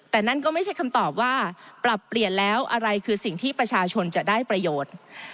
แต่นั่นก็ไม่ใช่คำตอบว่าปรับเปลี่ยนแล้วอะไรคือสิ่งที่ประชาชนจะได้ประโยชน์